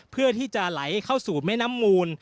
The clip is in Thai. เพื่อที่จะไหลเข้าสู่แม่น้ำมูล